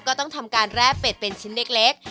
ก็ต้องทำการแร่เป็ดเป็นชิ้นเล็ก